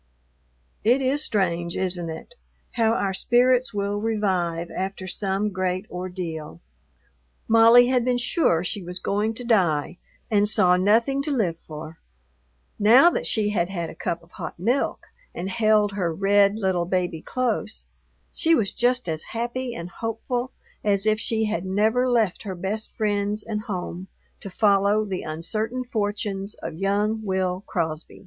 It is strange, isn't it? how our spirits will revive after some great ordeal. Molly had been sure she was going to die and saw nothing to live for; now that she had had a cup of hot milk and held her red little baby close, she was just as happy and hopeful as if she had never left her best friends and home to follow the uncertain fortunes of young Will Crosby.